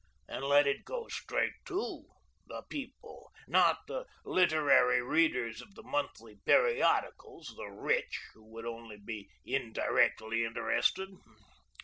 Then let it go straight TO the People not the literary readers of the monthly periodicals, the rich, who would only be indirectly interested.